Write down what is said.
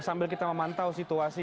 sambil kita memantau situasi